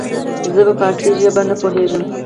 زه په پاړسي زبه نه پوهيږم